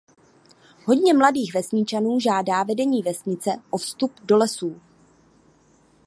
Hodně mladých vesničanů žádá vedení vesnice o vstup do lesů.